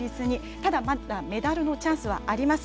ただ、まだメダルのチャンスはあります。